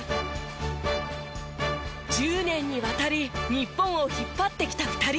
１０年にわたり日本を引っ張ってきた２人。